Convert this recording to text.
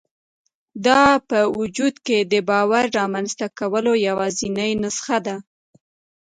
دا په وجود کې د باور رامنځته کولو یوازېنۍ نسخه ده